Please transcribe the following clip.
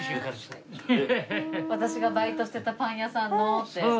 「私がバイトしてたパン屋さんの」って？